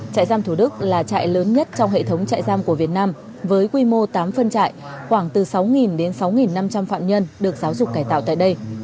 trại giam thủ đức là trại lớn nhất trong hệ thống trại giam của việt nam với quy mô tám phân trại khoảng từ sáu đến sáu năm trăm linh phạm nhân được giáo dục cải tạo tại đây